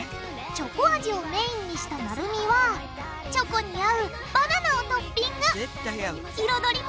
チョコ味をメインにしたなるみはチョコに合うバナナをトッピング絶対合う。